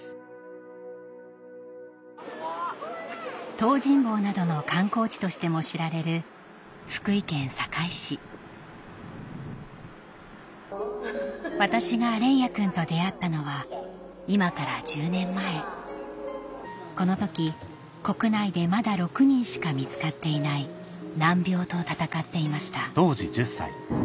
東尋坊などの観光地としても知られる福井県坂井市私が連也君と出会ったのは今から１０年前この時国内でまだ６人しか見つかっていない難病と闘っていました・